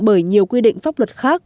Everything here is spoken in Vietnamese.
bởi nhiều quy định pháp luật khác